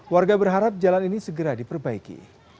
warga berharap jalan ini segera diperbaiki